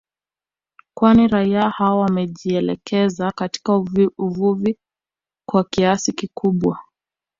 Kwani raia hao wamejielekeza katika uvuvi kwa kiasi kikubwa